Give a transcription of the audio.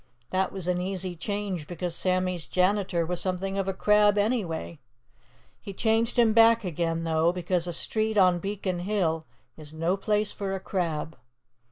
That was an easy change, because Sammy's janitor was something of a crab, anyway. He changed him back again, though, because a street on Beacon Hill is no place for a crab.